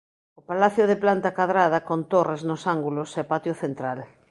O palacio é de planta cadrada con torres nos ángulos e patio central.